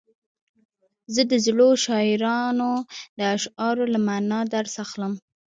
زه د زړو شاعرانو د اشعارو له معنا درس اخلم.